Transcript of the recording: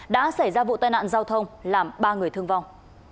đã xảy ra vụ tai nạn giao thông làm ba người thương vong